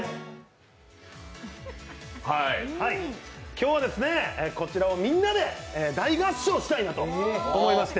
今日はこちらをみんなで大合唱したいなと思いまして。